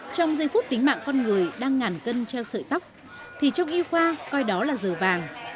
trong giây phút tính mạng con người đang ngàn cân treo sợi tóc thì trong y khoa coi đó là giờ vàng